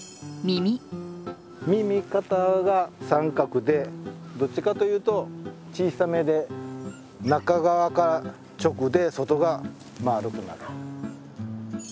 耳型が三角でどっちかというと小さめで中側が直で外が丸くなる。